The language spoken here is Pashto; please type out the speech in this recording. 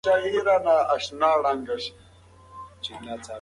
ایا د سګرټ ایرې به د باد په واسطه هرې خواته خپرې شي؟